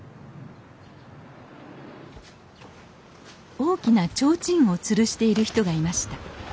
大きな提灯をつるしている人がいました。